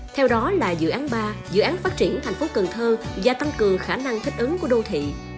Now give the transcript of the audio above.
theo đó là dự án ba dự án phát triển thành phố cần thơ và tăng cường khả năng thích ứng của đô thị